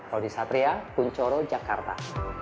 rodi satria puncoro jakarta